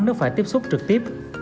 nếu phải tiếp xúc trực tiếp